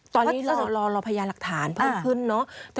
ตอนนี้เรารอพยานหลักฐานเพิ่มขึ้นเนอะ